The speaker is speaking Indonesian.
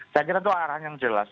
saya kira itu arahan yang jelas